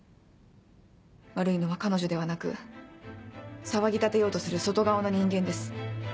悪いのは彼女ではなく騒ぎ立てようとする外側の人間です。